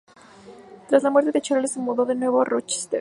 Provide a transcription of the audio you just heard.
Tras la muerte de Charles se mudó de nuevo a Rochester.